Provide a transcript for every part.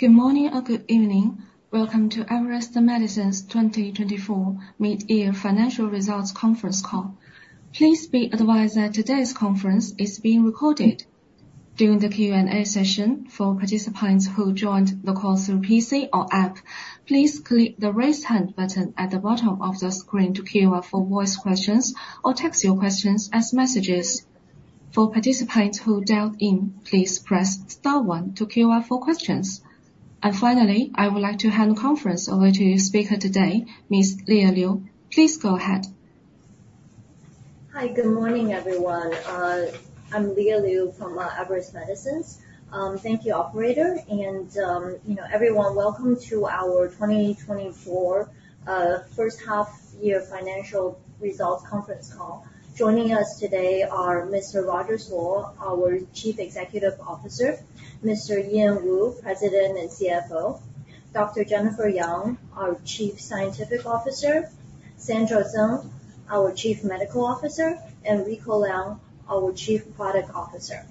Good morning or good evening. Welcome to Everest Medicines 2024 Mid-Year Financial Results Conference Call. Please be advised that today's conference is being recorded. During the Q&A session for participants who joined the call through PC or app, please click the Raise Hand button at the bottom of the screen to queue up for voice questions or text your questions as messages. For participants who dialed in, please press star one to queue up for questions. And finally, I would like to hand the conference over to your speaker today, Ms. Leah Liu. Please go ahead. Hi, good morning, everyone. I'm Leah Liu from Everest Medicines. Thank you, operator, and, you know, everyone, welcome to our 2024 first-half-year financial results conference call. Joining us today are Mr. Rogers Luo, our Chief Executive Officer, Mr. Ian Woo, President and CFO, Dr. Jennifer Yang, our Chief Scientific Officer, Sandra Zeng, our Chief Medical Officer, and Rico Liang, our Chief Product Officer.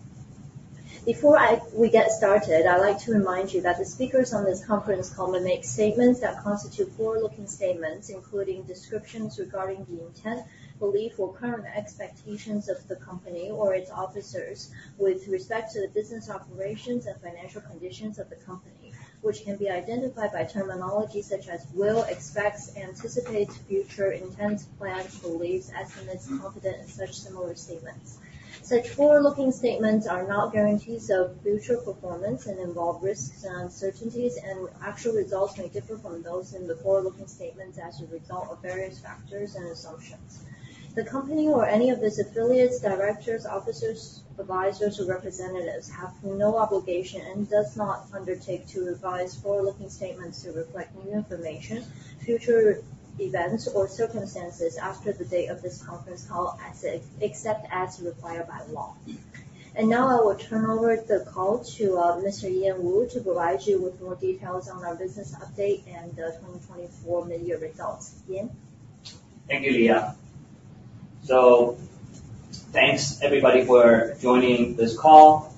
Before we get started, I'd like to remind you that the speakers on this conference call may make statements that constitute forward-looking statements, including descriptions regarding the intent, belief or current expectations of the company or its officers with respect to the business operations and financial conditions of the company, which can be identified by terminology such as will, expects, anticipates, future intents, plans, beliefs, estimates, confident, and such similar statements. Such forward-looking statements are not guarantees of future performance and involve risks and uncertainties, and actual results may differ from those in the forward-looking statements as a result of various factors and assumptions. The company or any of its affiliates, directors, officers, advisors or representatives have no obligation and does not undertake to revise forward-looking statements to reflect new information, future events or circumstances after the date of this conference call, except as required by law. And now, I will turn over the call to Mr. Ian Woo to provide you with more details on our business update and the 2024 mid-year results. Ian? Thank you, Leah. Thanks everybody for joining this call.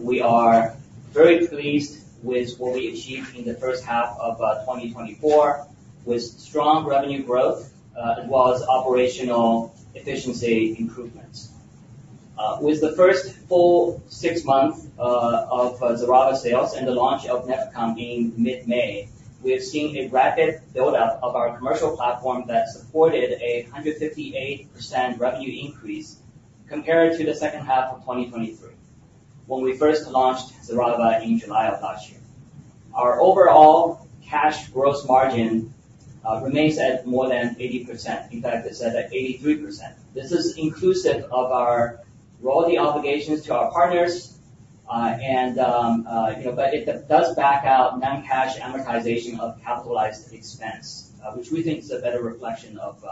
We are very pleased with what we achieved in the first half of 2024, with strong revenue growth as well as operational efficiency improvements. With the first full six months of XERAVA sales and the launch of NEFECON in mid-May, we have seen a rapid buildup of our commercial platform that supported a 158% revenue increase compared to the second half of 2023, when we first launched XERAVA in July of last year. Our overall gross margin remains at more than 80%. In fact, it's at 83%. This is inclusive of our royalty obligations to our partners, and, you know, but it does back out non-cash amortization of capitalized expense, which we think is a better reflection of,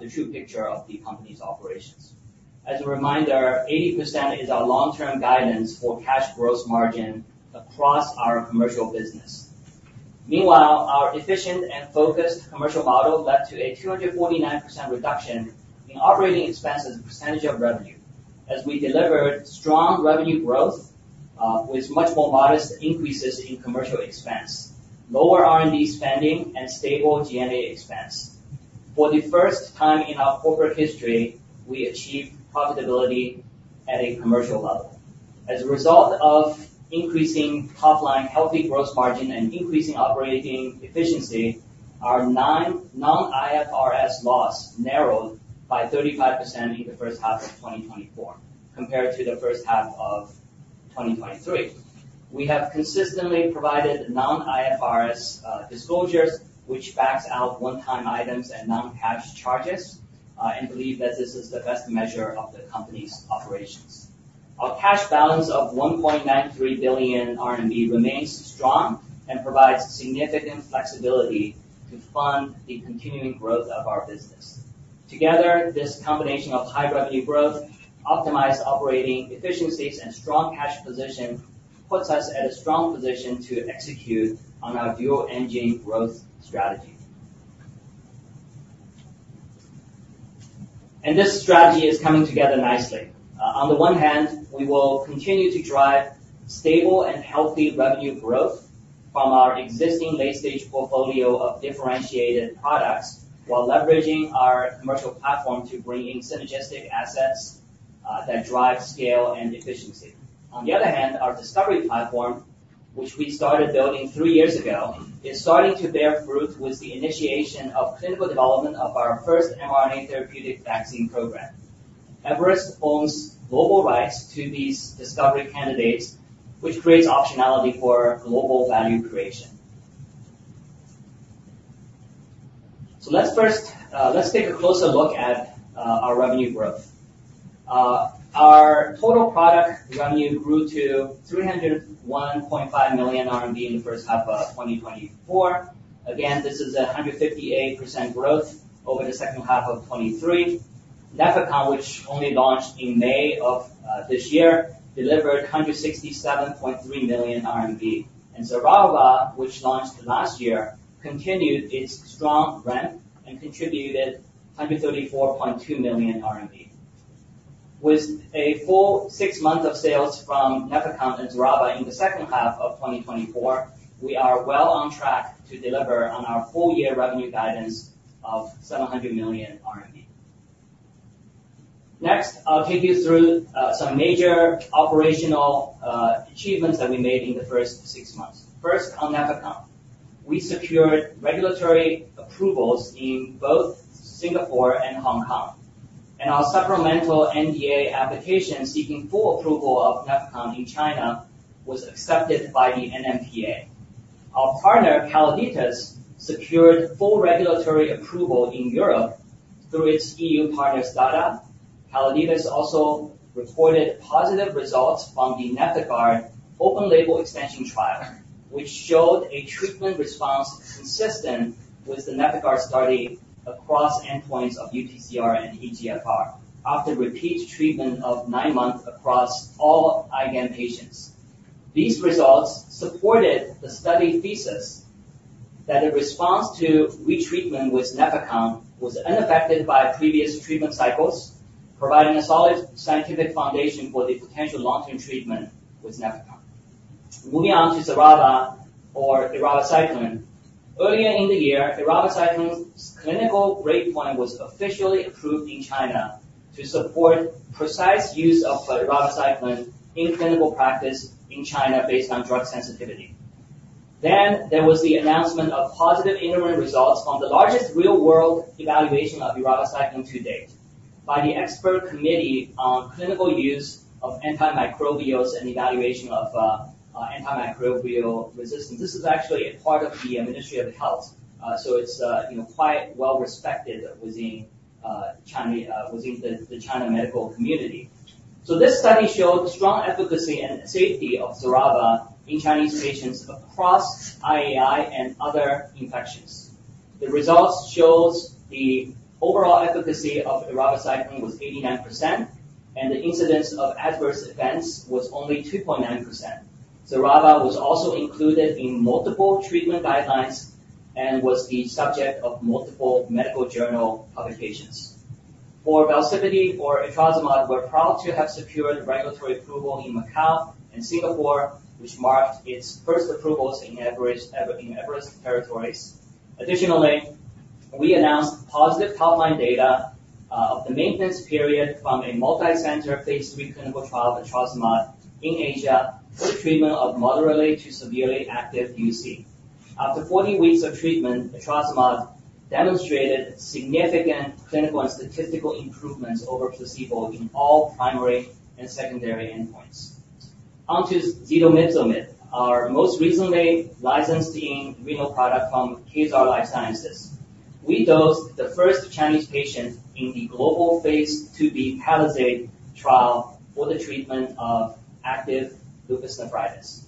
the true picture of the company's operations. As a reminder, 80% is our long-term guidance for cash growth margin across our commercial business. Meanwhile, our efficient and focused commercial model led to a 249% reduction in operating expenses as a percentage of revenue, as we delivered strong revenue growth, with much more modest increases in commercial expense, lower R&D spending and stable G&A expense. For the first time in our corporate history, we achieved profitability at a commercial level. As a result of increasing top line, healthy growth margin, and increasing operating efficiency, our non-IFRS loss narrowed by 35% in the first half of 2024 compared to the first half of 2023. We have consistently provided non-IFRS disclosures, which backs out one-time items and non-cash charges, and believe that this is the best measure of the company's operations. Our cash balance of 1.93 billion RMB remains strong and provides significant flexibility to fund the continuing growth of our business. Together, this combination of high revenue growth, optimized operating efficiencies, and strong cash position puts us at a strong position to execute on our dual engine growth strategy, and this strategy is coming together nicely. On the one hand, we will continue to drive stable and healthy revenue growth from our existing late-stage portfolio of differentiated products, while leveraging our commercial platform to bring in synergistic assets that drive scale and efficiency. On the other hand, our discovery platform, which we started building three years ago, is starting to bear fruit with the initiation of clinical development of our first mRNA therapeutic vaccine program. Everest owns global rights to these discovery candidates, which creates optionality for global value creation. So let's first take a closer look at our revenue growth. Our total product revenue grew to 301.5 million RMB in the first half of 2024. Again, this is 158% growth over the second half of 2023. NEFECON, which only launched in May of this year, delivered 167.3 million RMB, and XERAVA, which launched last year, continued its strong ramp and contributed 134.2 million RMB. With a full six months of sales from NEFECON and XERAVA in the second half of 2024, we are well on track to deliver on our full year revenue guidance of 700 million RMB. Next, I'll take you through some major operational achievements that we made in the first six months. First, on NEFECON. We secured regulatory approvals in both Singapore and Hong Kong, and our supplemental NDA application seeking full approval of NEFECON in China was accepted by the NMPA. Our partner, Calliditas, secured full regulatory approval in Europe through its EU partner, Stada. Calliditas also reported positive results from the NefIgArd open label expansion trial, which showed a treatment response consistent with the NefIgArd study across endpoints of UPCR and eGFR after repeat treatment of nine months across all IgAN patients. These results supported the study thesis that a response to retreatment with NEFECON was unaffected by previous treatment cycles, providing a solid scientific foundation for the potential long-term treatment with NEFECON. Moving on to XERAVA or eravacycline. Earlier in the year, eravacycline's clinical breakpoint was officially approved in China to support precise use of eravacycline in clinical practice in China based on drug sensitivity. Then there was the announcement of positive interim results from the largest real-world evaluation of eravacycline to date by the expert committee on clinical use of antimicrobials and evaluation of antimicrobial resistance. This is actually a part of the Ministry of Health, so it's, you know, quite well respected within China, within the China medical community. So this study showed strong efficacy and safety of XERAVA in Chinese patients across IAI and other infections. The results shows the overall efficacy of eravacycline was 89%, and the incidence of adverse events was only 2.9%. XERAVA was also included in multiple treatment guidelines and was the subject of multiple medical journal publications. For VELSIPITY or etrasimod, we're proud to have secured regulatory approval in Macau and Singapore, which marked its first approvals in Everest, in Everest territories. Additionally, we announced positive top-line data, of the maintenance period from a multicenter phase III clinical trial of etrasimod in Asia for the treatment of moderately to severely active UC. After forty weeks of treatment, etrasimod demonstrated significant clinical and statistical improvements over placebo in all primary and secondary endpoints. On to zetomipzomib, our most recently licensed renal product from Kezar Life Sciences. We dosed the first Chinese patient in the global Phase 2b PALISADE trial for the treatment of active lupus nephritis.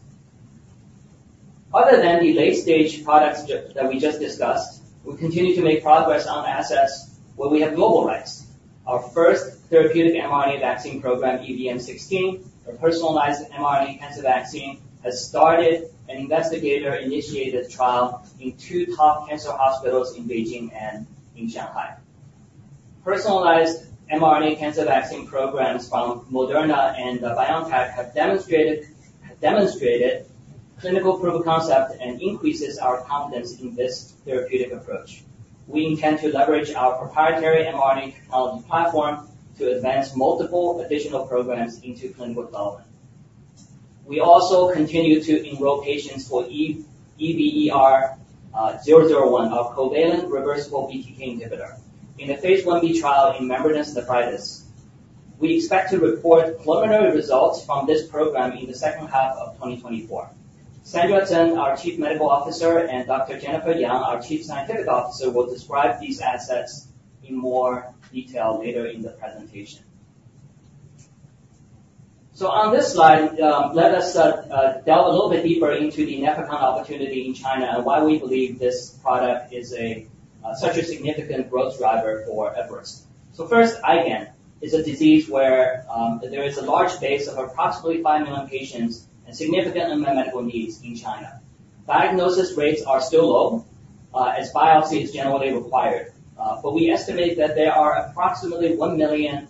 Other than the late-stage products that we just discussed, we continue to make progress on assets where we have global rights. Our first therapeutic mRNA vaccine program, EVM16, a personalized mRNA cancer vaccine, has started an investigator-initiated trial in two top cancer hospitals in Beijing and in Shanghai. Personalized mRNA cancer vaccine programs from Moderna and BioNTech have demonstrated clinical proof of concept and increases our confidence in this therapeutic approach. We intend to leverage our proprietary mRNA technology platform to advance multiple additional programs into clinical development. We also continue to enroll patients for EVER001, our covalent reversible BTK inhibitor. In the Phase 1b trial in membranous nephropathy, we expect to report preliminary results from this program in the second half of 2024. Sandra Zeng, our Chief Medical Officer, and Dr. Jennifer Yang, our Chief Scientific Officer, will describe these assets in more detail later in the presentation. On this slide, let us delve a little bit deeper into the NEFECON opportunity in China, and why we believe this product is such a significant growth driver for Everest. First, IgAN is a disease where there is a large base of approximately five million patients and significant unmet medical needs in China. Diagnosis rates are still low, as biopsy is generally required, but we estimate that there are approximately one million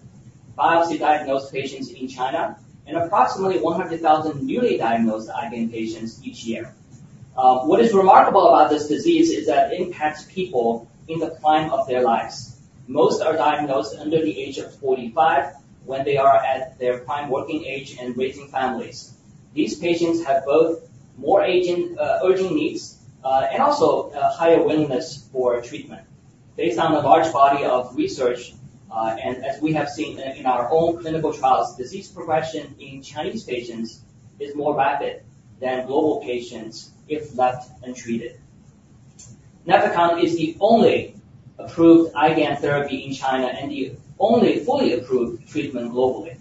biopsy-diagnosed patients in China and approximately 100,000 newly diagnosed IgAN patients each year. What is remarkable about this disease is that it impacts people in the prime of their lives. Most are diagnosed under the age of 45, when they are at their prime working age and raising families. These patients have both more urgent needs, and also, higher willingness for treatment. Based on a large body of research, and as we have seen in our own clinical trials, disease progression in Chinese patients is more rapid than global patients if left untreated. NEFECON is the only approved IgAN therapy in China and the only fully approved treatment globally.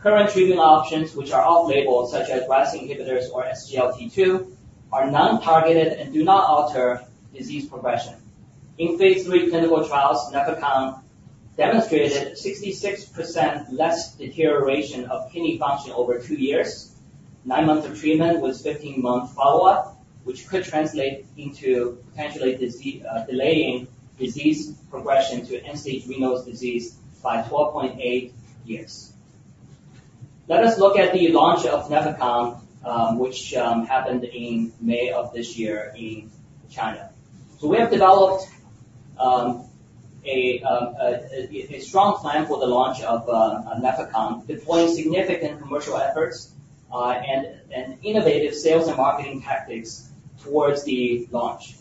Current treatment options, which are off label, such as JAK inhibitors or SGLT2, are non-targeted and do not alter disease progression. In phase III clinical trials, NEFECON demonstrated 66% less deterioration of kidney function over two years. Nine months of treatment with 15-month follow-up, which could translate into potentially disease, delaying disease progression to end-stage renal disease by 12.8 years. Let us look at the launch of NEFECON, which happened in May of this year in China. So we have developed a strong plan for the launch of NEFECON, deploying significant commercial efforts, and innovative sales and marketing tactics towards the launch.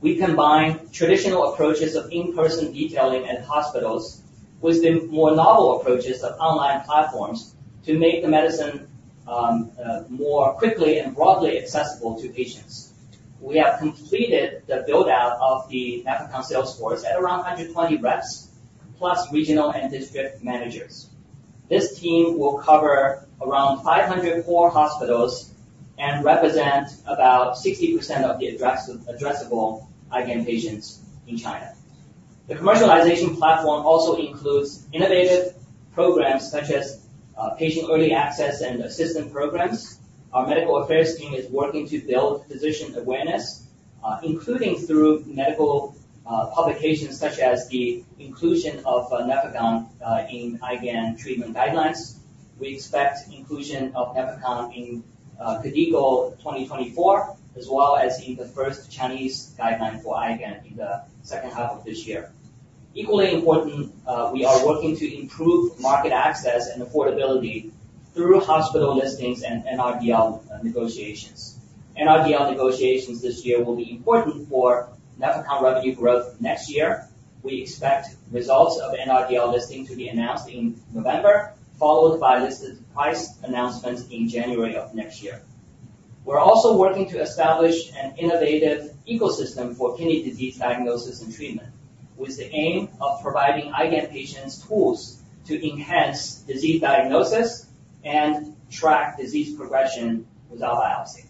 We combine traditional approaches of in-person detailing at hospitals with the more novel approaches of online platforms to make the medicine more quickly and broadly accessible to patients. We have completed the build-out of the NEFECON sales force at around 120 reps, plus regional and district managers. This team will cover around 500 core hospitals and represent about 60% of the addressable IgAN patients in China. The commercialization platform also includes innovative programs such as patient early access and assistant programs. Our medical affairs team is working to build physician awareness, including through medical publications such as the inclusion of NEFECON in IgAN treatment guidelines. We expect inclusion of NEFECON in KDIGO 2024, as well as in the first Chinese guideline for IgAN in the second half of this year. Equally important, we are working to improve market access and affordability through hospital listings and NRDL negotiations. NRDL negotiations this year will be important for NEFECON revenue growth next year. We expect results of NRDL listing to be announced in November, followed by listed price announcements in January of next year. We're also working to establish an innovative ecosystem for kidney disease diagnosis and treatment, with the aim of providing IgAN patients tools to enhance disease diagnosis and track disease progression without biopsy,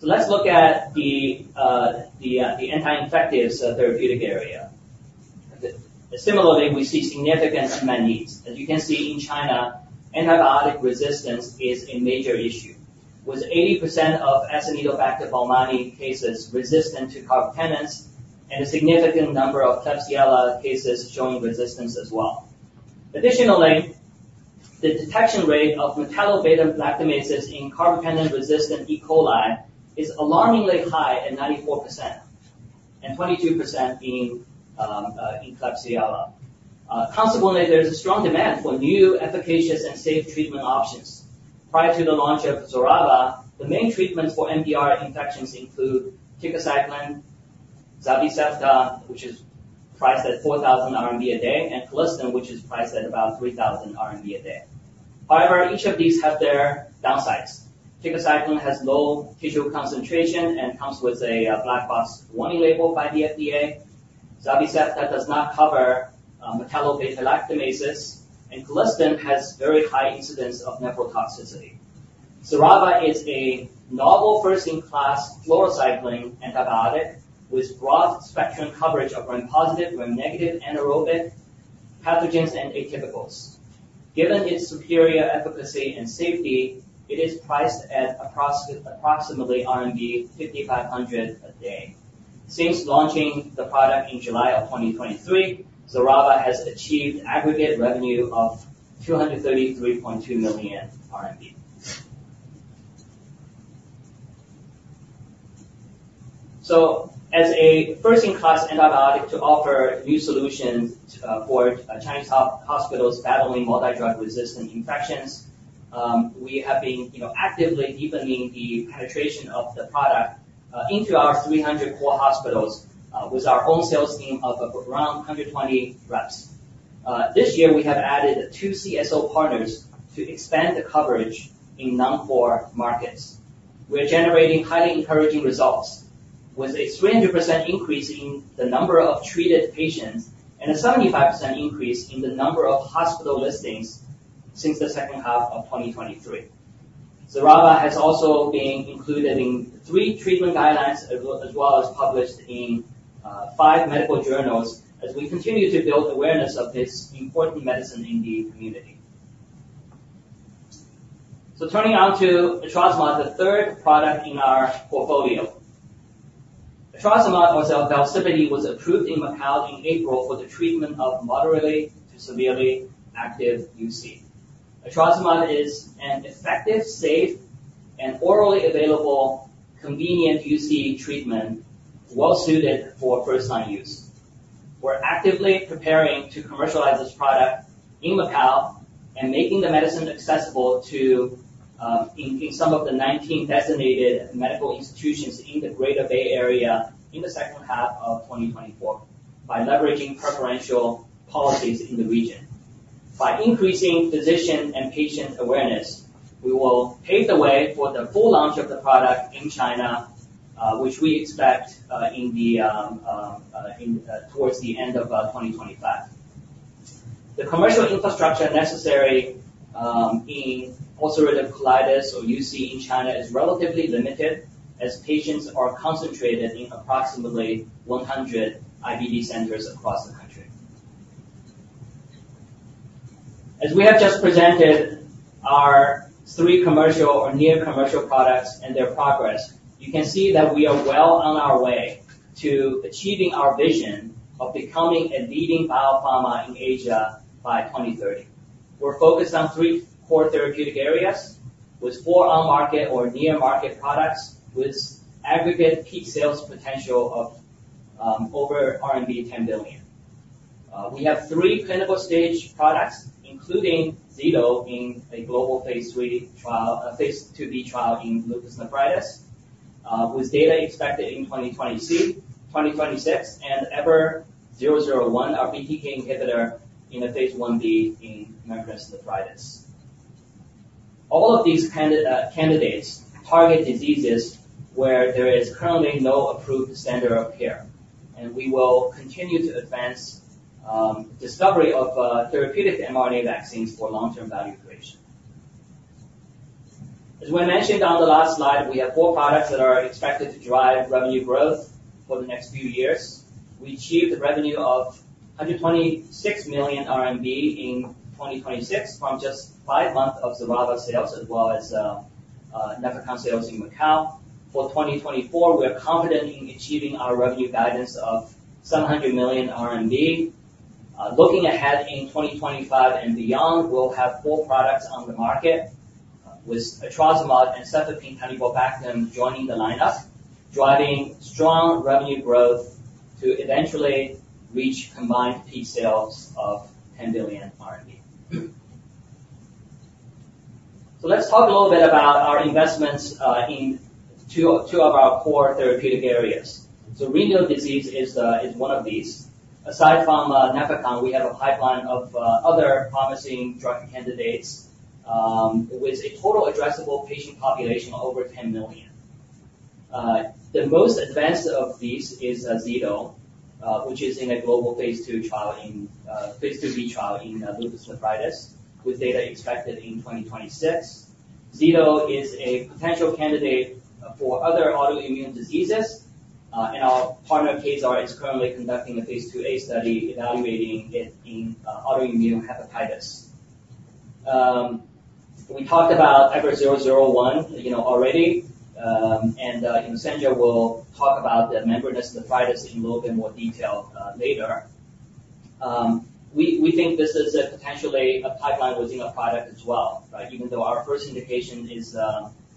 so let's look at the anti-infectives therapeutic area. Similarly, we see significant unmet needs. As you can see in China, antibiotic resistance is a major issue, with 80% of Acinetobacter baumannii cases resistant to carbapenems, and a significant number of Klebsiella cases showing resistance as well. Additionally, the detection rate of metallo-beta-lactamases in carbapenem-resistant E. coli is alarmingly high at 94%, and 22% in Klebsiella. Consequently, there's a strong demand for new, efficacious, and safe treatment options. Prior to the launch of XERAVA, the main treatments for MDR infections include tigecycline, Zavicefta, which is priced at 4,000 RMB a day, and colistin, which is priced at about 3,000 RMB a day. However, each of these have their downsides. Tigecycline has low tissue concentration and comes with a black box warning label by the FDA. Zavicefta does not cover metallo-beta-lactamases, and colistin has very high incidence of nephrotoxicity. XERAVA is a novel first-in-class fluorocycline antibiotic with broad-spectrum coverage of Gram-positive, Gram-negative, anaerobic pathogens and atypicals. Given its superior efficacy and safety, it is priced at approximately RMB 5,500 a day. Since launching the product in July 2023, XERAVA has achieved aggregate revenue of 233.2 million RMB. So as a first-in-class antibiotic to offer new solutions for Chinese hospitals battling multi-drug resistant infections, we have been, you know, actively deepening the penetration of the product into our 300 core hospitals with our own sales team of around 120 reps. This year, we have added two CSO partners to expand the coverage in non-core markets. We're generating highly encouraging results, with a 300% increase in the number of treated patients and a 75% increase in the number of hospital listings since the second half of 2023. XERAVA has also been included in three treatment guidelines, as well as published in five medical journals as we continue to build awareness of this important medicine in the community. So turning now to VELSIPITY, the third product in our portfolio. VELSIPITY, or etrasimod, was approved in Macau in April for the treatment of moderately to severely active UC. VELSIPITY is an effective, safe, and orally available, convenient UC treatment, well-suited for first-time use. We're actively preparing to commercialize this product in Macau and making the medicine accessible to in some of the 19 designated medical institutions in the Greater Bay Area in the second half of 2024, by leveraging preferential policies in the region. By increasing physician and patient awareness, we will pave the way for the full launch of the product in China, which we expect towards the end of 2025. The commercial infrastructure necessary in ulcerative colitis or UC in China is relatively limited, as patients are concentrated in approximately 100 IBD centers across the country. As we have just presented our three commercial or near commercial products and their progress, you can see that we are well on our way to achieving our vision of becoming a leading biopharma in Asia by 2030. We're focused on three core therapeutic areas, with four on-market or near-market products, with aggregate peak sales potential of over 10 billion. We have three clinical stage products, including Zeto, in a global phase III trial, a Phase 2b trial in lupus nephritis, with data expected in 2026, and EVER001, our BTK inhibitor in a Phase 1b in membranous nephropathy. All of these candidates target diseases where there is currently no approved standard of care, and we will continue to advance discovery of therapeutic mRNA vaccines for long-term value creation. As we mentioned on the last slide, we have four products that are expected to drive revenue growth for the next few years. We achieved a revenue of 126 million RMB in 2026 from just five months of XERAVA sales as well as NEFECON sales in Macau. For 2024, we are confident in achieving our revenue guidance of 700 million RMB. Looking ahead in 2025 and beyond, we'll have four products on the market, with etrasimod and cefepime-tanibobactam joining the lineup, driving strong revenue growth to eventually reach combined peak sales of 10 billion RMB. Let's talk a little bit about our investments in two of our core therapeutic areas. Renal disease is one of these. Aside from NEFECON, we have a pipeline of other promising drug candidates with a total addressable patient population of over 10 million. The most advanced of these is zetomipzomib, which is in a global Phase 2b trial in lupus nephritis, with data expected in 2026. Zetomipzomib is a potential candidate for other autoimmune diseases, and our partner, Kezar Life Sciences, is currently conducting a Phase 2a study evaluating it in autoimmune hepatitis. We talked about EVER001, you know, already, and Sandra will talk about the membranous nephropathy in a little bit more detail later. We think this is a potentially a pipeline-winning product as well, right? Even though our first indication is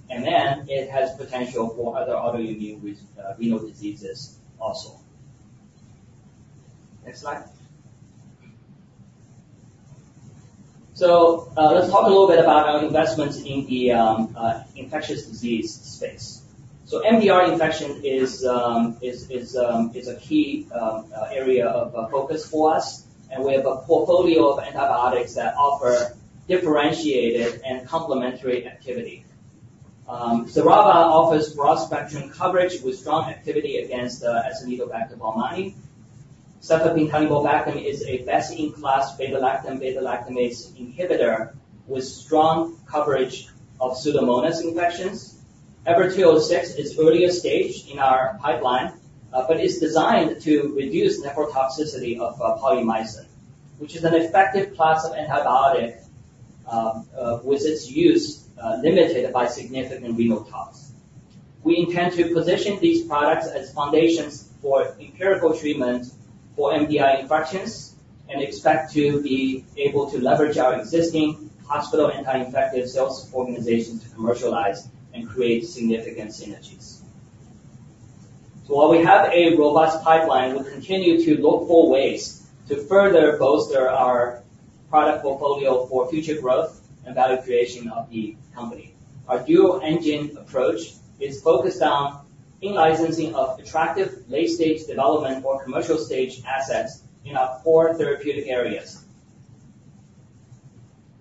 MN, it has potential for other autoimmune renal diseases also. Next slide. Let's talk a little bit about our investments in the infectious disease space. MDR infection is a key area of focus for us, and we have a portfolio of antibiotics that offer differentiated and complementary activity. XERAVA offers broad-spectrum coverage with strong activity against the Acinetobacter baumannii. Cefepime-tanibobactam is a best-in-class beta-lactam/beta-lactamase inhibitor with strong coverage of Pseudomonas infections. EVER206 is earliest stage in our pipeline, but is designed to reduce nephrotoxicity of polymyxin, which is an effective class of antibiotic, with its use limited by significant renal tox. We intend to position these products as foundations for empirical treatment for MDR infections, and expect to be able to leverage our existing hospital anti-infective sales organization to commercialize and create significant synergies. So while we have a robust pipeline, we'll continue to look for ways to further bolster our product portfolio for future growth and value creation of the company. Our dual engine approach is focused on in-licensing of attractive late-stage development or commercial-stage assets in our four therapeutic areas.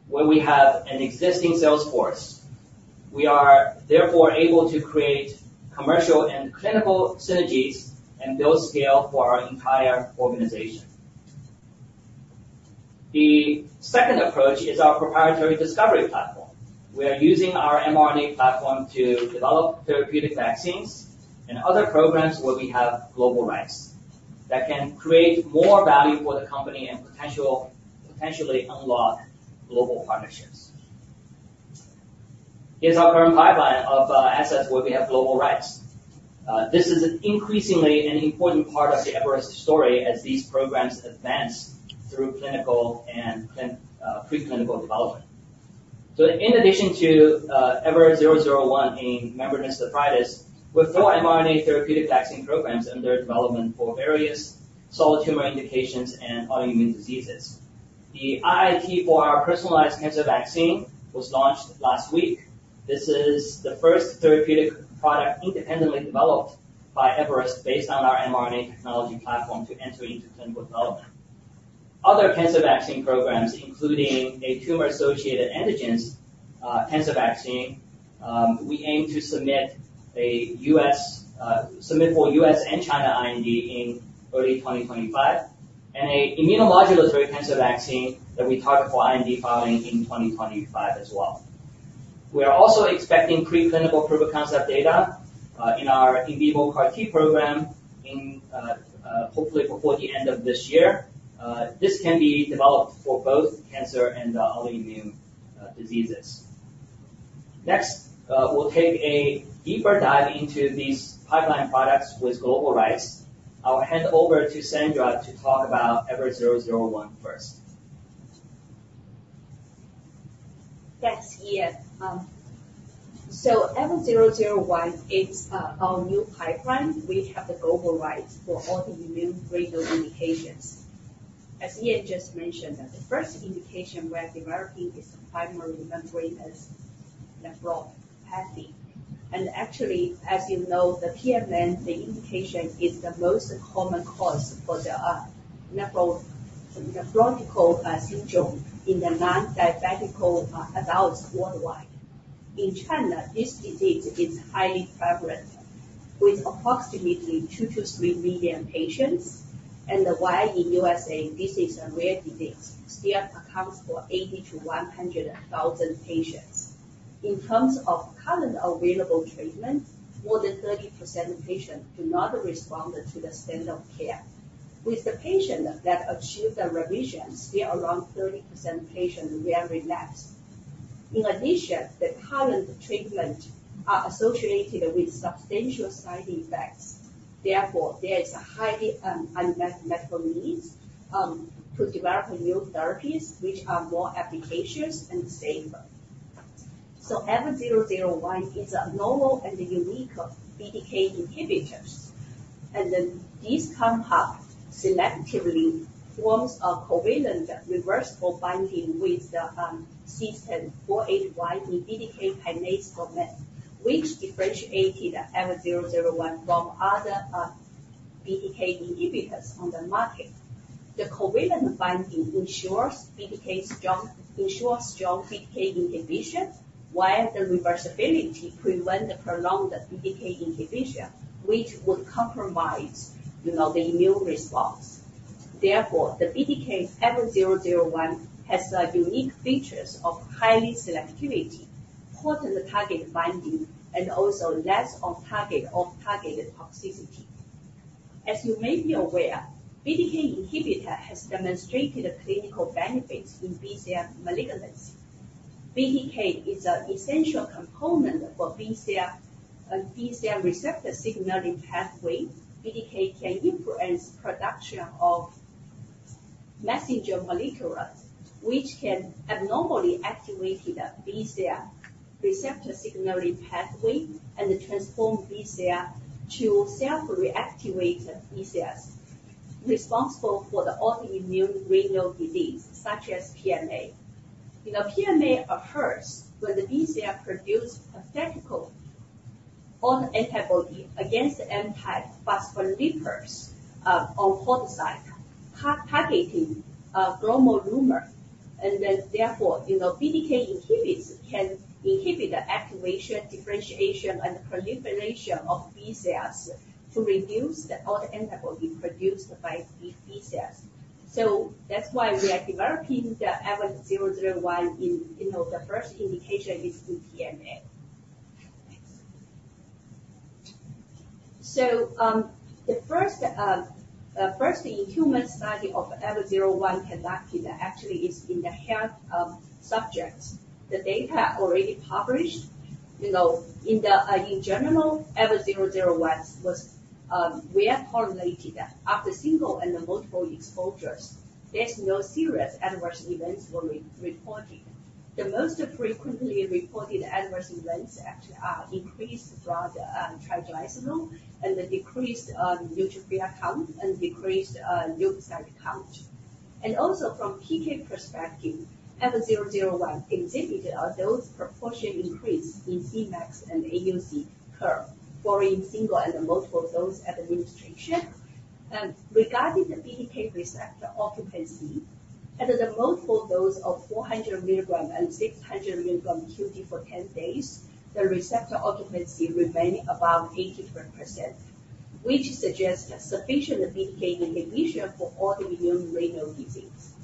When we have an existing sales force, we are therefore able to create commercial and clinical synergies and build scale for our entire organization. The second approach is our proprietary discovery platform. We are using our mRNA platform to develop therapeutic vaccines and other programs where we have global rights that can create more value for the company and potentially unlock global partnerships. Here's our current pipeline of assets where we have global rights. This is increasingly an important part of the Everest story as these programs advance through clinical and preclinical development. So in addition to EVER001 in membranous nephropathy, with four mRNA therapeutic vaccine programs under development for various solid tumor indications and autoimmune diseases. The IIT for our personalized cancer vaccine was launched last week. This is the first therapeutic product independently developed by Everest based on our mRNA technology platform to enter into clinical development. Other cancer vaccine programs, including a tumor-associated antigens cancer vaccine, we aim to submit for U.S. and China IND in early 2025, and a immunomodulatory cancer vaccine that we target for IND filing in 2025 as well. We are also expecting preclinical proof of concept data in our in vivo CAR-T program, hopefully before the end of this year. This can be developed for both cancer and the autoimmune diseases. Next, we'll take a deeper dive into these pipeline products with global rights. I'll hand over to Sandra to talk about EVER001 first. Yes, Ian. So EVER001 is our new pipeline. We have the global rights for all the immune renal indications. As Ian just mentioned, that the first indication we're developing is primary membranous nephropathy. And actually, as you know, the PMN, the indication, is the most common cause for the nephrotic syndrome in the non-diabetic adults worldwide. In China, this disease is highly prevalent with approximately two to three million patients, and while in USA, this is a rare disease, still accounts for 80 to 100 thousand patients. In terms of current available treatment, more than 30% of patients do not respond to the standard of care. With the patient that achieve the remissions, still around 30% patients will relapse. In addition, the current treatment are associated with substantial side effects. Therefore, there is a highly unmet medical needs to develop new therapies which are more efficacious and safer. So EVER001 is a novel and unique BTK inhibitors, and then this compound selectively forms a covalent reversible binding with the C481 in BTK kinase domain, which differentiated EVER001 from other BTK inhibitors on the market. The covalent binding ensures strong BTK inhibition, while the reversibility prevent the prolonged BTK inhibition, which would compromise, you know, the immune response. Therefore, the BTK EVER001 has unique features of high selectivity, potent target binding, and also less on target, off-target toxicity. As you may be aware, BTK inhibitor has demonstrated clinical benefits in B-cell malignancy. BTK is an essential component for BCL receptor signaling pathway. BTK can influence production of messenger molecules, which can abnormally activate the B-cell receptor signaling pathway and transform B cells to self-reactive B cells responsible for the autoimmune renal disease, such as PMN. You know, PMN occurs when the B cells produce pathological autoantibody against the antiphospholipids on podocytes targeting glomerulus. Then, therefore, you know, BTK inhibitors can inhibit the activation, differentiation, and proliferation of B cells to reduce the autoantibody produced by B cells. So that's why we are developing the EVER001 in, you know, the first indication is through PMN. So, the first in human study of EVER001 conducted actually is in the healthy subjects. The data already published, you know, in general, EVER001 was well tolerated after single and multiple exposures. There's no serious adverse events were re-reported. The most frequently reported adverse events actually are increased blood triglyceride, and the decreased neutrophil count and decreased lymphocyte count. And also from PK perspective, EVER001 exhibited a dose proportion increase in Cmax and AUC curve for in single and multiple dose administration. Regarding the BTK receptor occupancy, under the multiple dose of 400 mg and 600 mg QD for 10 days, the receptor occupancy remained above 80%, which suggests a sufficient BTK inhibition for all the immune renal disease.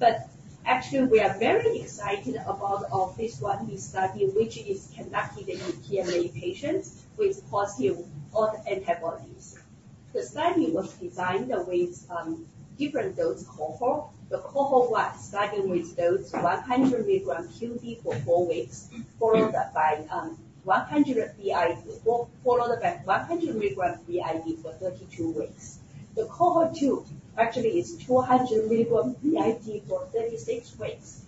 But actually, we are very excited about our phase 1b study, which is conducted in PMN patients with positive autoantibodies. The study was designed with different dose cohort. The cohort was starting with dose 100 mg QD for four weeks, followed up by 100 mg BID, followed by 100 mg BID for 32 weeks. The cohort 2 actually is 200 milligram BID for 36 weeks.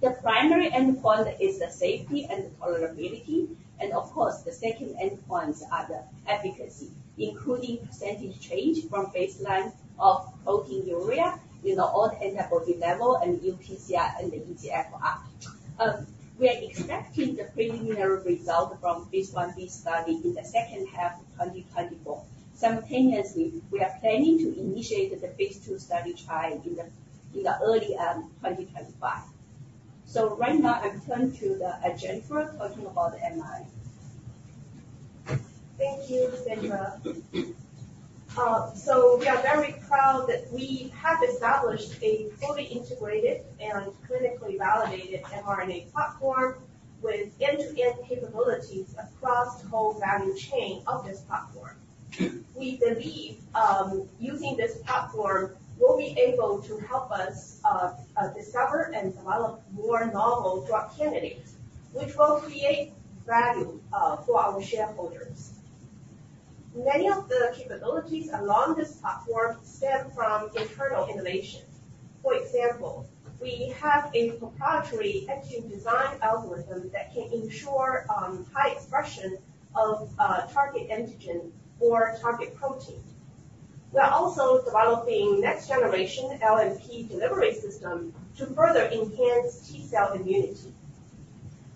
The primary endpoint is the safety and tolerability, and of course, the second endpoints are the efficacy, including percentage change from baseline of proteinuria, you know, autoantibody level, and UPCR and the eGFR. We are expecting the preliminary result from phase 1b study in the second half of 2024. Simultaneously, we are planning to initiate the phase 2 study trial in the early 2025. So right now, I turn to the Jennifer, talking about the mRNA.... Thank you, thank you. So we are very proud that we have established a fully integrated and clinically validated mRNA platform with end-to-end capabilities across the whole value chain of this platform. We believe using this platform will be able to help us discover and develop more novel drug candidates, which will create value for our shareholders. Many of the capabilities along this platform stem from internal innovation. For example, we have a proprietary active design algorithm that can ensure high expression of target antigen or target protein. We are also developing next generation LNP delivery system to further enhance T-cell immunity.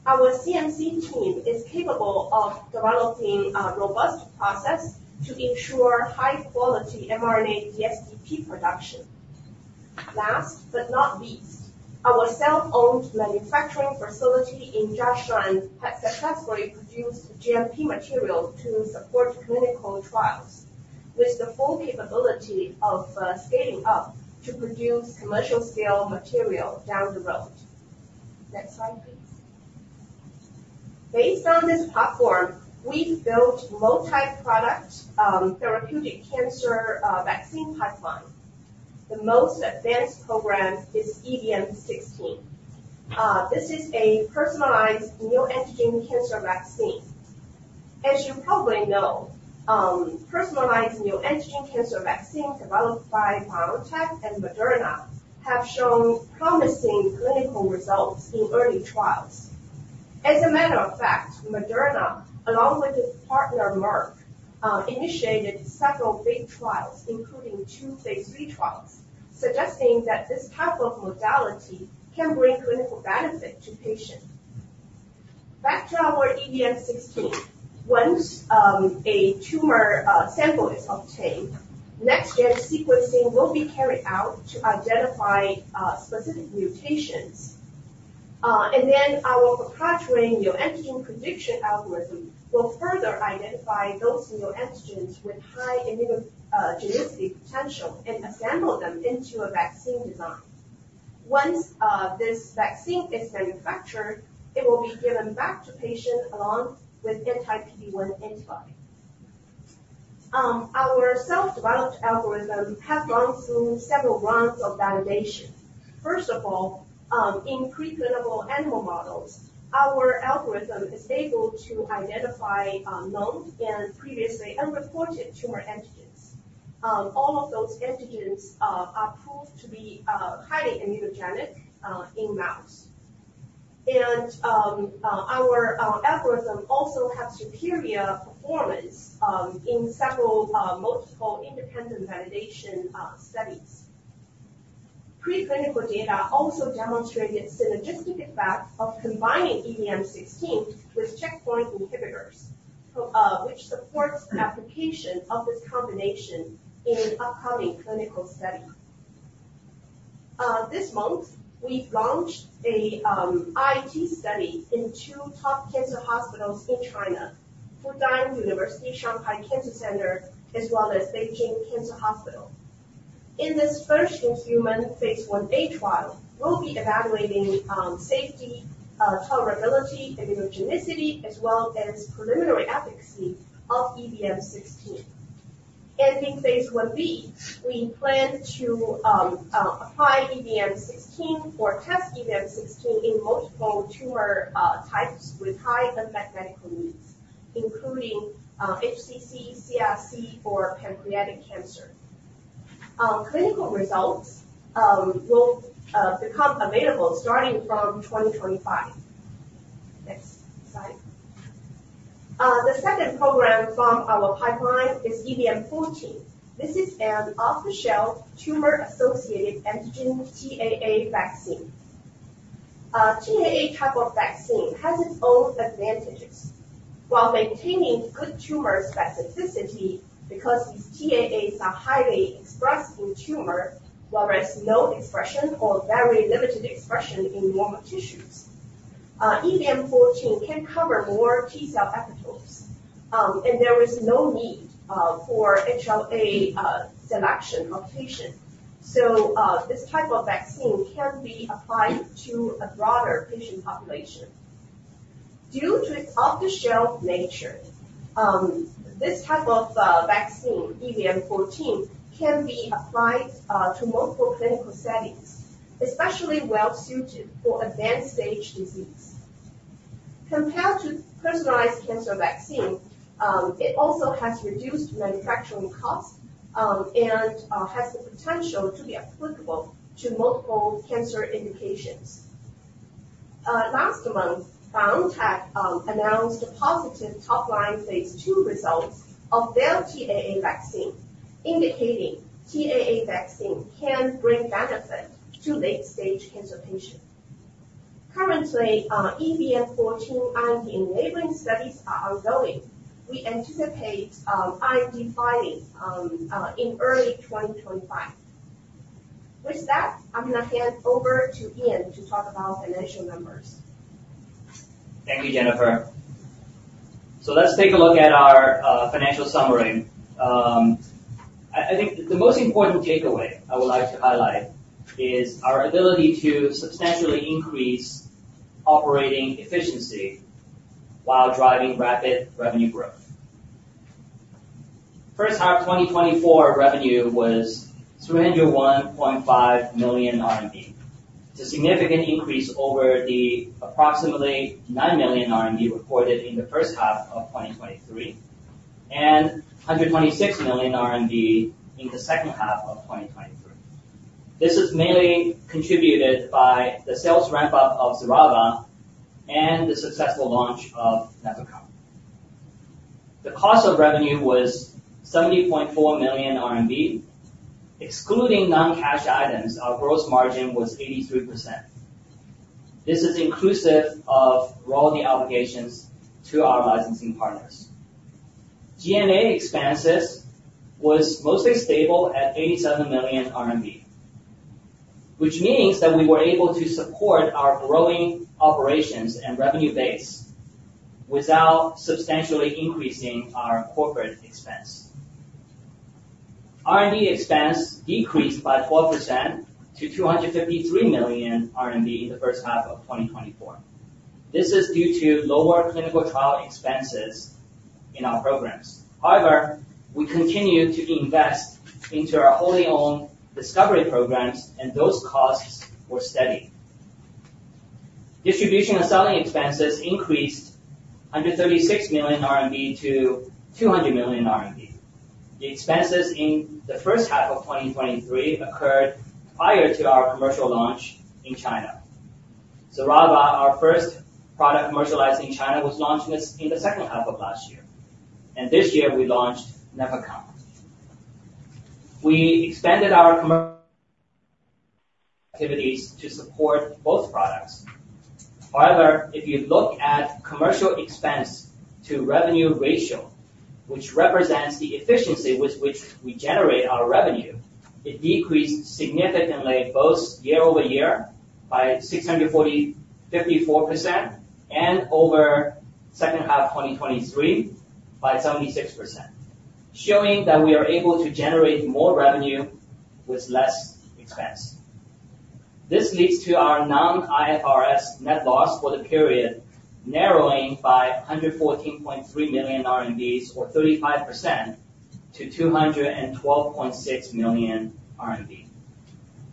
Our CMC team is capable of developing a robust process to ensure high quality mRNA DS/DP production. Last but not least, our self-owned manufacturing facility in Jiaxing has successfully produced GMP material to support clinical trials, with the full capability of scaling up to produce commercial scale material down the road. Next slide, please. Based on this platform, we've built multi-product therapeutic cancer vaccine pipeline. The most advanced program is EVM16. This is a personalized neoantigen cancer vaccine. As you probably know, personalized neoantigen cancer vaccine developed by BioNTech and Moderna have shown promising clinical results in early trials. As a matter of fact, Moderna, along with its partner, Merck, initiated several big trials, including two phase three trials, suggesting that this type of modality can bring clinical benefit to patients. Back to our EVM16. Once a tumor sample is obtained, next gen sequencing will be carried out to identify specific mutations. And then our proprietary neoantigen prediction algorithm will further identify those neoantigens with high immunogenicity potential and assemble them into a vaccine design. Once this vaccine is manufactured, it will be given back to patient along with anti-PD-1 antibody. Our self-developed algorithm has gone through several rounds of validation. First of all, in preclinical animal models, our algorithm is able to identify known and previously unreported tumor antigens. All of those antigens are proved to be highly immunogenic in mouse, and our algorithm also has superior performance in several multiple independent validation studies. Preclinical data also demonstrated synergistic effect of combining EVM16 with checkpoint inhibitors, which supports application of this combination in an upcoming clinical study. This month, we've launched a IIT study in two top cancer hospitals in China, Fudan University Shanghai Cancer Center, as well as Beijing Cancer Hospital. In this first in human phase one A trial, we'll be evaluating safety, tolerability, immunogenicity, as well as preliminary efficacy of EVM16. And in phase one B, we plan to apply EVM16 or test EVM16 in multiple tumor types with high unmet medical needs, including HCC, CRC, or pancreatic cancer. Clinical results will become available starting from 2025. Next slide. The second program from our pipeline is EVM14. This is an off-the-shelf tumor-associated antigen TAA vaccine. TAA type of vaccine has its own advantages while maintaining good tumor specificity, because these TAAs are highly expressed in tumor, whereas no expression or very limited expression in normal tissues. EVM14 can cover more T-cell epitopes, and there is no need for HLA selection of patient. So, this type of vaccine can be applied to a broader patient population. Due to its off-the-shelf nature, this type of vaccine, EVM14, can be applied to multiple clinical settings, especially well-suited for advanced stage disease. Compared to personalized cancer vaccine, it also has reduced manufacturing cost, and has the potential to be applicable to multiple cancer indications. Last month, BioNTech announced a positive top-line phase two results of their TAA vaccine, indicating TAA vaccine can bring benefit to late-stage cancer patients. Currently, EVM14 and enabling studies are ongoing. We anticipate IND filing in early 2025. With that, I'm gonna hand over to Ian to talk about financial numbers. Thank you, Jennifer. So let's take a look at our financial summary. I think the most important takeaway I would like to highlight is our ability to substantially increase operating efficiency while driving rapid revenue growth. First half of 2024 revenue was 301.5 million RMB. It's a significant increase over the approximately 9 million RMB reported in the first half of 2023, and 126 million RMB in the second half of 2023. This is mainly contributed by the sales ramp-up of XERAVA and the successful launch of NEFECON. The cost of revenue was 70.4 million RMB. Excluding non-cash items, our gross margin was 83%. This is inclusive of royalty obligations to our licensing partners. G&A expenses were mostly stable at 87 million RMB, which means that we were able to support our growing operations and revenue base without substantially increasing our corporate expense. R&D expense decreased by 4% to 253 million RMB in the first half of 2024. This is due to lower clinical trial expenses in our programs. However, we continue to invest into our wholly owned discovery programs, and those costs were steady. Distribution and selling expenses increased by 36 million RMB to 200 million RMB. The expenses in the first half of 2023 occurred prior to our commercial launch in China. XERAVA, our first product commercialized in China, was launched in the second half of last year, and this year we launched NEFECON. We expanded our commercial activities to support both products. However, if you look at commercial expense to revenue ratio, which represents the efficiency with which we generate our revenue, it decreased significantly both year-over-year by 645.4% and over second half of 2023 by 76%, showing that we are able to generate more revenue with less expense. This leads to our non-IFRS net loss for the period, narrowing by 114.3 million RMB, or 35%, to 212.6 million RMB.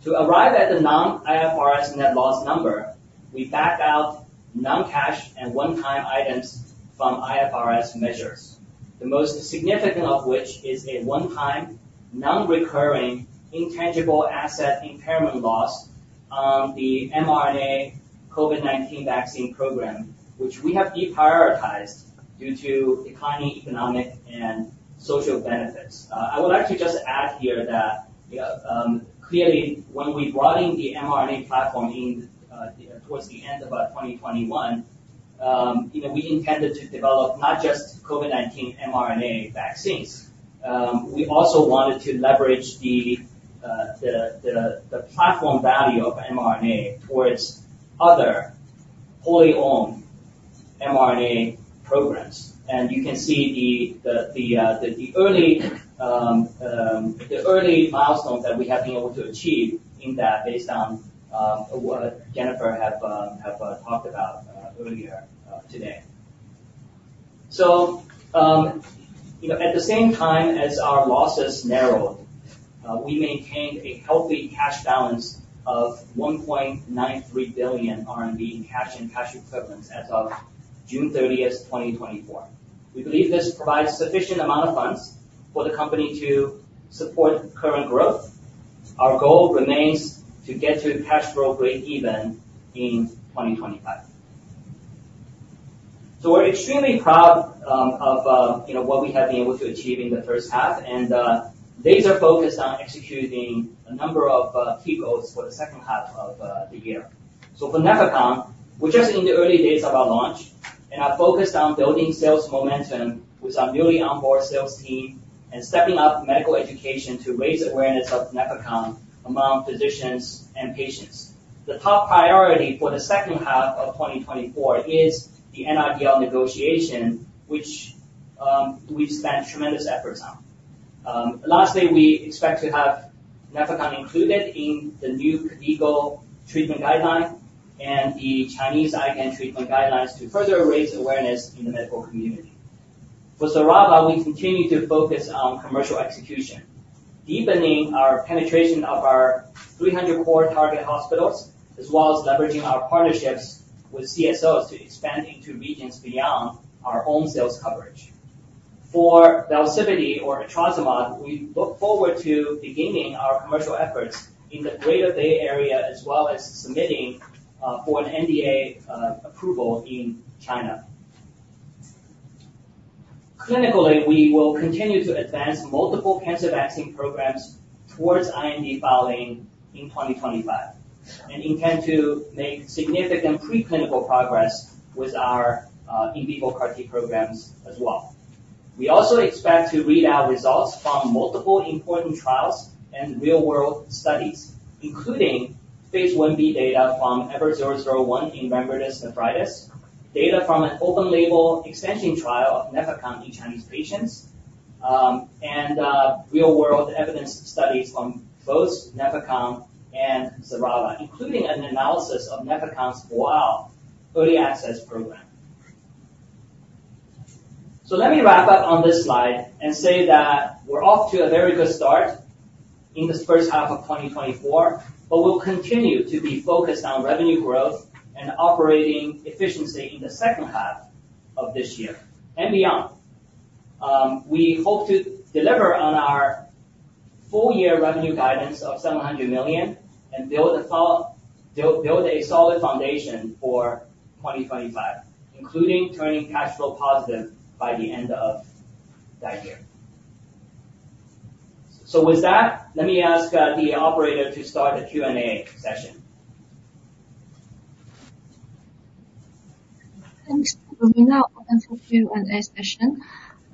To arrive at the non-IFRS net loss number, we backed out non-cash and one-time items from IFRS measures. The most significant of which is a one-time, non-recurring, intangible asset impairment loss on the mRNA COVID-19 vaccine program, which we have deprioritized due to declining economic and social benefits. I would like to just add here that, clearly, when we brought in the mRNA platform in, towards the end of 2021, you know, we intended to develop not just COVID-19 mRNA vaccines, we also wanted to leverage the platform value of mRNA towards other wholly owned mRNA programs. And you can see the early milestones that we have been able to achieve in that based on what Jennifer have talked about earlier today. So, you know, at the same time as our losses narrowed, we maintained a healthy cash balance of 1.93 billion RMB in cash and cash equivalents as of June thirtieth, 2024. We believe this provides sufficient amount of funds for the company to support current growth. Our goal remains to get to cash flow break even in 2025. So we're extremely proud of you know what we have been able to achieve in the first half, and these are focused on executing a number of key goals for the second half of the year. So for NEFECON, we're just in the early days of our launch, and are focused on building sales momentum with our newly onboard sales team and stepping up medical education to raise awareness of NEFECON among physicians and patients. The top priority for the second half of 2024 is the NRDL negotiation, which we've spent tremendous efforts on. Lastly, we expect to have NEFECON included in the new legal treatment guideline and the Chinese IgA treatment guidelines to further raise awareness in the medical community. For XERAVA, we continue to focus on commercial execution, deepening our penetration of our 300 core target hospitals, as well as leveraging our partnerships with CSOs to expand into regions beyond our own sales coverage. For VELSIPITY or etrasimod, we look forward to beginning our commercial efforts in the Greater Bay Area, as well as submitting for an NDA approval in China. Clinically, we will continue to advance multiple cancer vaccine programs towards IND filing in 2025, and intend to make significant preclinical progress with our in vivo CAR-T programs as well. ...We also expect to read out results from multiple important trials and real-world studies, including phase 1b data from EVER001 in membranous nephropathy, data from an open-label extension trial of NEFECON in Chinese patients, and real-world evidence studies from both NEFECON and XERAVA, including an analysis of NEFECON's Boao early access program. So let me wrap up on this slide and say that we're off to a very good start in this first half of 2024, but we'll continue to be focused on revenue growth and operating efficiency in the second half of this year and beyond. We hope to deliver on our full-year revenue guidance of 700 million and build a solid foundation for 2025, including turning cash flow positive by the end of that year. So with that, let me ask the operator to start the Q&A session. Thanks. We will now open for Q&A session.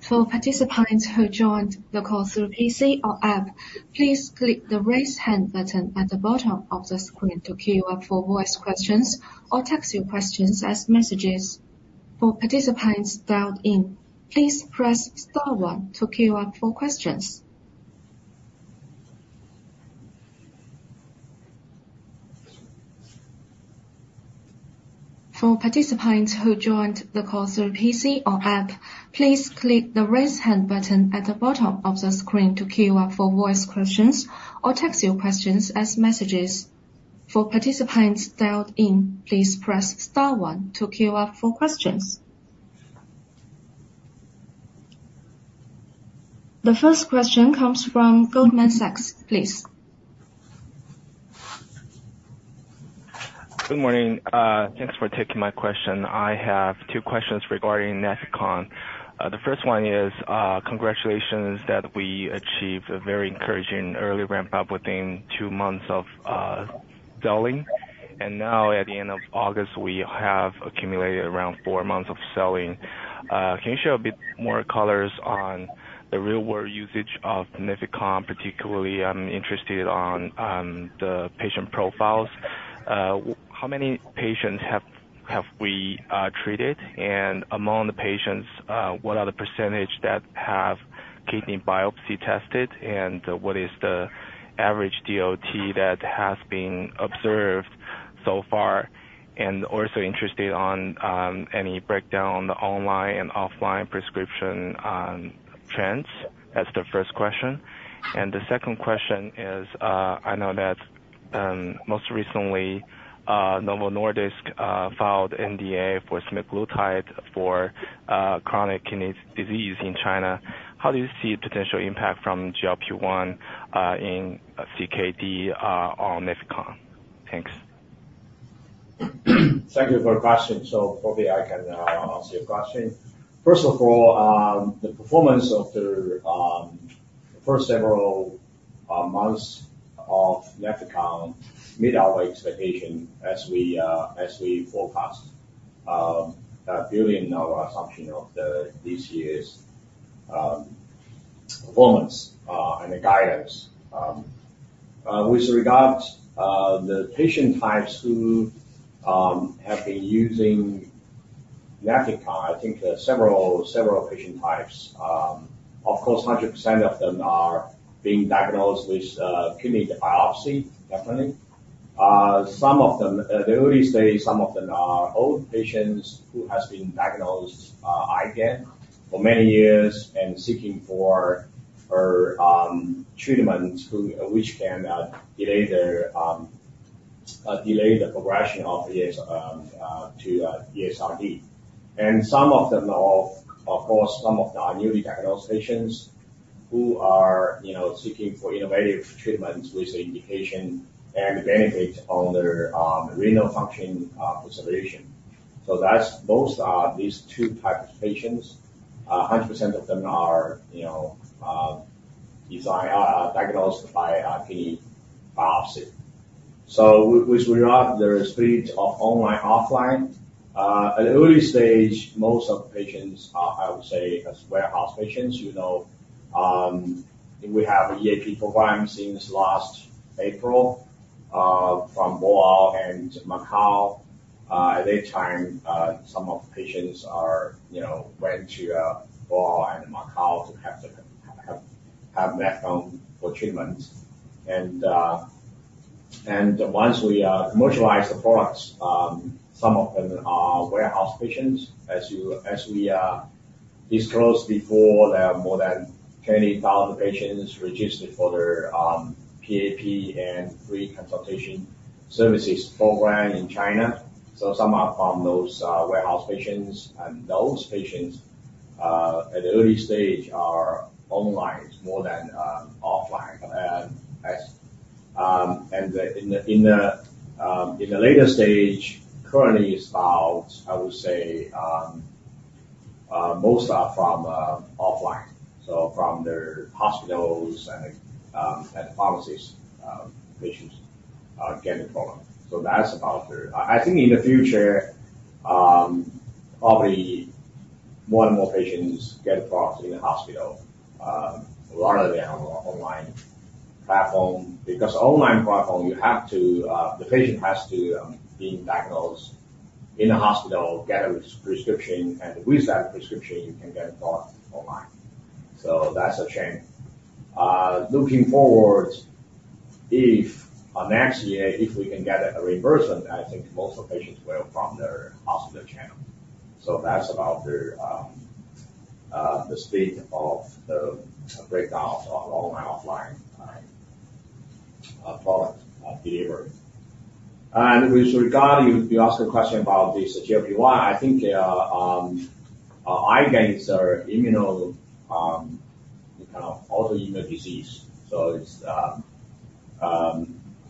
For participants who joined the call through PC or app, please click the Raise Hand button at the bottom of the screen to queue up for voice questions or text your questions as messages. For participants dialed in, please press star one to queue up for questions. The first question comes from Goldman Sachs, please. Good morning. Thanks for taking my question. I have two questions regarding NEFECON. The first one is, congratulations that we achieved a very encouraging early ramp-up within two months of selling, and now at the end of August, we have accumulated around four months of selling. Can you share a bit more colors on the real-world usage of NEFECON, particularly, I'm interested on the patient profiles. How many patients have we treated, and among the patients, what are the percentage that have kidney biopsy tested, and what is the average DOT that has been observed so far, and also interested on any breakdown on the online and offline prescription trends. That's the first question. And the second question is, I know that most recently, Novo Nordisk filed NDA for semaglutide for chronic kidney disease in China. How do you see potential impact from GLP-1 in CKD on NEFECON? Thanks. Thank you for your question. So probably I can answer your question. First of all, the performance of the first several months of NEFECON met our expectation as we forecast building our assumption of this year's performance and the guidance. With regards to the patient types who have been using NEFECON, I think there are several patient types. Of course, 100% of them are being diagnosed with kidney biopsy, definitely. Some of them the early stage, some of them are old patients who has been diagnosed again for many years and seeking for treatment which can delay their delay the progression of the to ESRD. Some of them are, of course, some of the newly diagnosed patients who are, you know, seeking for innovative treatments with the indication and benefit on their renal function preservation. So that's both are these two types of patients. 100% of them are, you know, diagnosed by kidney biopsy. So with regard the split of online, offline at the early stage, most of the patients are, I would say, as warehouse patients, you know, we have a EAP program since last April from Boao and Macau. At that time, some of the patients are, you know, went to Boao and Macau to have NEFECON for treatment. And once we commercialize the products, some of them are warehouse patients. As we disclosed before, there are more than 20,000 patients registered for their PAP and free consultation services program in China. So some are from those warehouse patients, and those patients at the early stage are online more than offline. And in the later stage, currently it's about, I would say, most are from offline, so from the hospitals and pharmacies patients get the product. So that's about the. I think in the future probably more and more patients get the products in the hospital rather than on online platform, because online platform, you have to the patient has to be diagnosed in the hospital, get a prescription, and with that prescription, you can get a product online. So that's a change. Looking forward, if in next year, if we can get a reimbursement, I think most of the patients will from the hospital channel. So that's about the state of the breakdown of online, offline, product delivery. And with regard, you asked a question about this GLP-1. I think, IgANs are immune, kind of, autoimmune disease. So it's,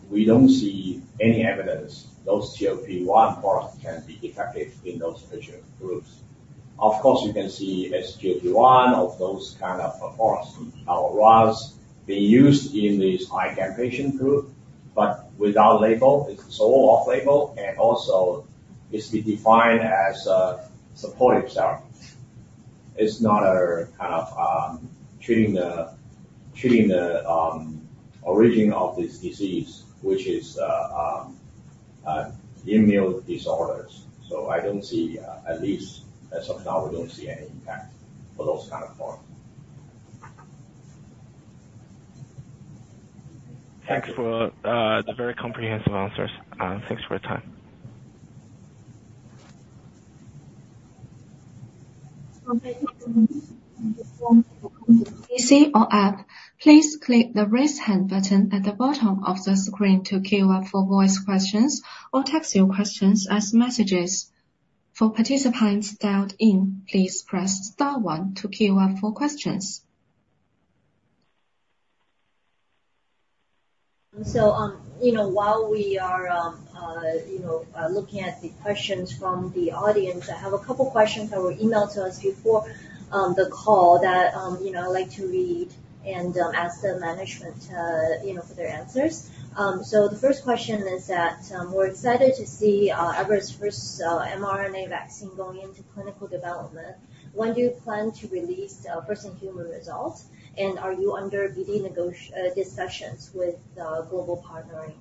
we don't see any evidence those GLP-1 products can be effective in those patient groups. Of course, you can see as GLP-1 of those kind of, products, was being used in this IgAN patient group, but without label, it's so off-label, and also it's been defined as, supportive care. It's not a kind of, treating the origin of this disease, which is, immune disorders. So I don't see, at least as of now, we don't see any impact for those kind of products. Thanks for the very comprehensive answers, and thanks for your time. For PC or app, please click the Raise Hand button at the bottom of the screen to queue up for voice questions or text your questions as messages. For participants dialed in, please press star one to queue up for questions. So, you know, while we are, you know, looking at the questions from the audience, I have a couple of questions that were emailed to us before the call that, you know, I'd like to read and ask the management, you know, for their answers. So the first question is that, we're excited to see Everest's first mRNA vaccine going into clinical development. When do you plan to release first human results? And are you under BD discussions with global partnering?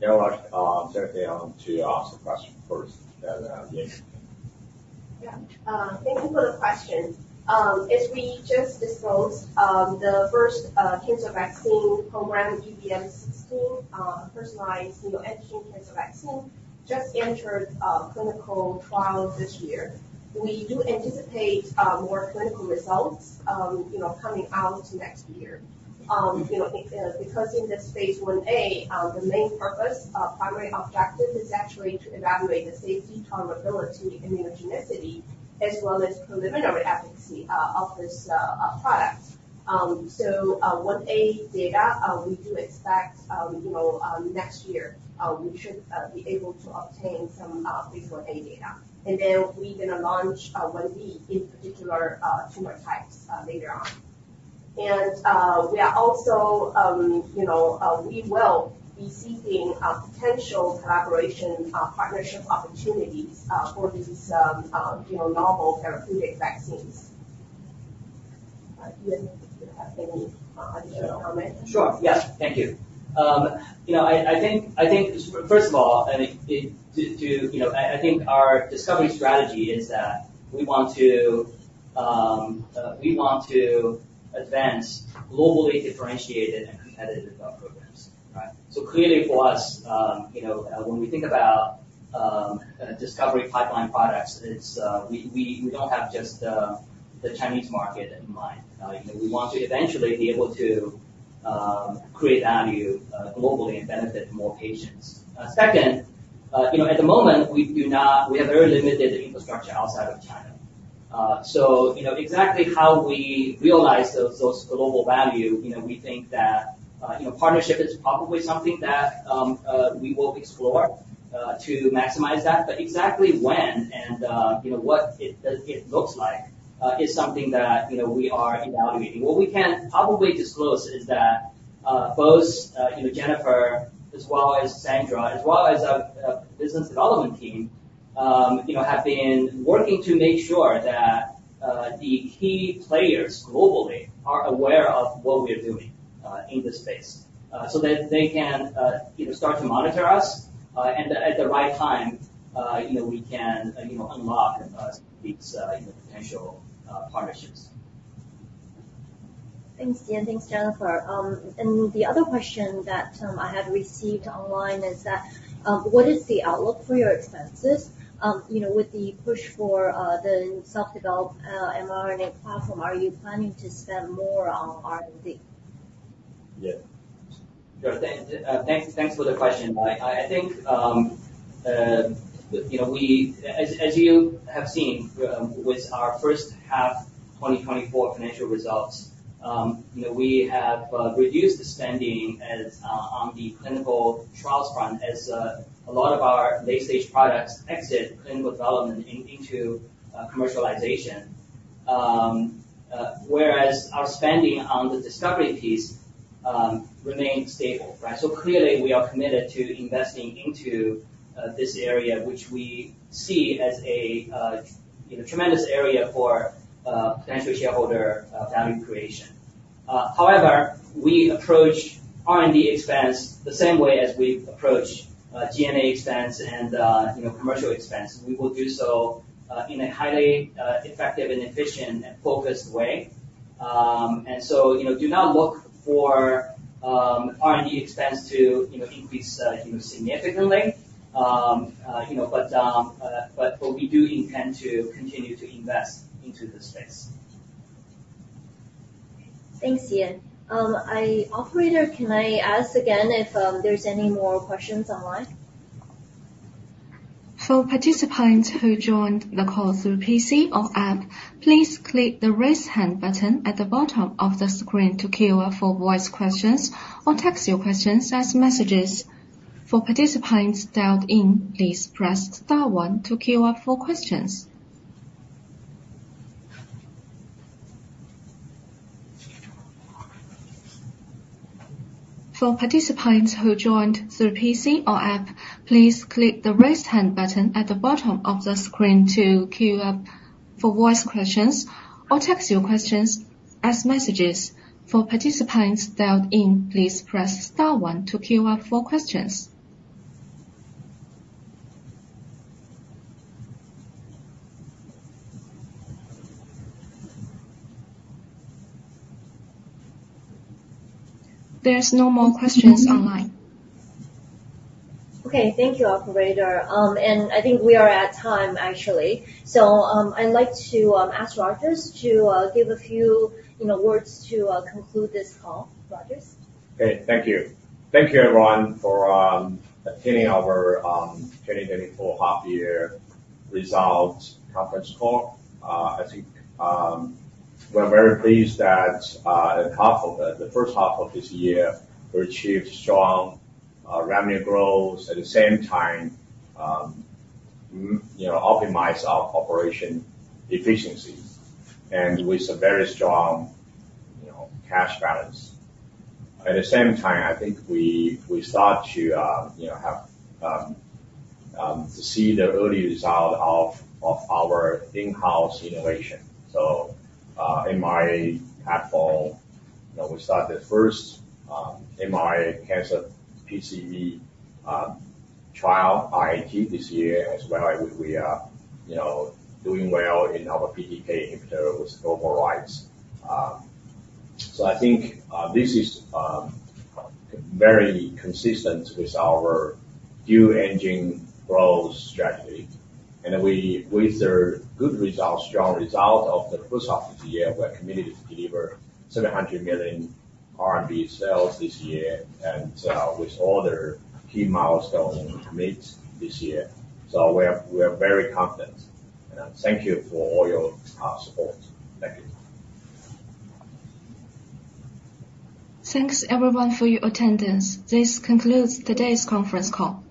Yeah, well, certainly to ask the question first, yes. Yeah. Thank you for the question. As we just disclosed, the first cancer vaccine program, EVM16, personalized, you know, engineered cancer vaccine, just entered clinical trials this year. We do anticipate more clinical results, you know, coming out next year. You know, because in this phase 1a, the main purpose, primary objective is actually to evaluate the safety, tolerability, immunogenicity, as well as preliminary efficacy of this product. So, 1a data, we do expect, you know, next year, we should be able to obtain some 1a data. And then we're going to launch 1b in particular tumor types later on. We are also, you know, we will be seeking a potential collaboration, partnership opportunities, for these, you know, novel therapeutic vaccines. Do you have any additional comment? Sure. Yes. Thank you. You know, I think first of all, I think our discovery strategy is that we want to advance globally differentiated and competitive programs. Right? So clearly for us, you know, when we think about discovery pipeline products, it's we don't have just the Chinese market in mind. We want to eventually be able to create value globally and benefit more patients. Second, you know, at the moment, we do not. We have very limited infrastructure outside of China. So, you know, exactly how we realize those global value, you know, we think that, you know, partnership is probably something that we will explore to maximize that. But exactly when and, you know, what it looks like, is something that, you know, we are evaluating. What we can probably disclose is that, both, you know, Jennifer, as well as Sandra, as well as our business development team, you know, have been working to make sure that, the key players globally are aware of what we are doing, in this space. So that they can, you know, start to monitor us, and at the right time, you know, we can, you know, unlock these potential partnerships. Thanks, Dan. Thanks, Jennifer. And the other question that I had received online is that: What is the outlook for your expenses, you know, with the push for the self-developed mRNA platform, are you planning to spend more on R&D? Yeah. Sure. Thanks for the question. I think, you know, we, as you have seen, with our first half, 2024 financial results, you know, we have reduced the spending on the clinical trials front as a lot of our late-stage products exit clinical development into commercialization.... whereas our spending on the discovery piece remains stable, right? So clearly, we are committed to investing into this area, which we see as a, you know, tremendous area for potential shareholder value creation. However, we approach R&D expense the same way as we approach G&A expense and, you know, commercial expense. We will do so in a highly effective and efficient and focused way. And so, you know, do not look for R&D expense to, you know, increase significantly. You know, but we do intend to continue to invest into the space. Thanks, Ian. Operator, can I ask again if there's any more questions online? For participants who joined the call through PC or app, please click the Raise Hand button at the bottom of the screen to queue up for voice questions or text your questions as messages. For participants dialed in, please press star one to queue up for questions. There are no more questions online. Okay, thank you, operator. I think we are at time, actually. I'd like to ask Rogers to give a few, you know, words to conclude this call. Rogers? Great. Thank you. Thank you, everyone, for attending our 2024 half-year results conference call. I think we're very pleased that at the first half of this year, we achieved strong revenue growth, at the same time, you know, optimize our operational efficiency, and with a very strong, you know, cash balance. At the same time, I think we start to you know, have to see the early result of our in-house innovation. So, in our mRNA, you know, we started first in our mRNA cancer vaccine trial, IIT, this year as well. We are, you know, doing well in our BTK inhibitor with global rights. So I think this is very consistent with our New Engine growth strategy. With the good results, strong results of the first half of the year, we're committed to deliver 700 million RMB sales this year, and with all the key milestones meet this year. We are very confident, and thank you for all your support. Thank you. Thanks, everyone, for your attendance. This concludes today's conference call.